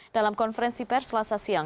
dalam konferensi perselasa siang